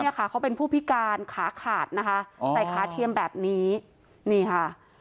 ค่ะเขาเป็นผู้พิการขาขาดนะคะใส่ขาเทียมแบบนี้นี่ค่ะ